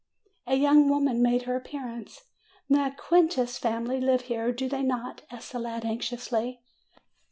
A young woman made her appearance. "The Mequinez family live here, do they not?" asked the lad anxiously.